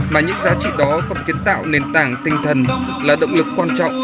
mà những giá trị đó cũng kiến tạo nền tảng tinh thần là động lực quan trọng